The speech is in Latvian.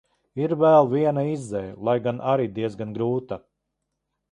Ir vēl viena izeja, lai gan arī diezgan grūta.